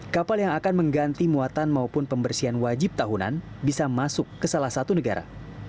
kapal yang akan mengganti muatan maupun pembersihan wajib tahunan bisa masuk ke salah satu negara